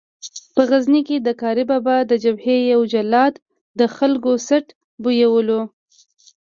په غزني کې د قاري بابا د جبهې یو جلاد د خلکو څټ بویولو.